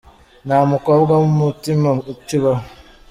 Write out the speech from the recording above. Nta mukobwa wu umutima ukibaho.